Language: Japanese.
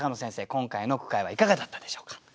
今回の句会はいかがだったでしょうか？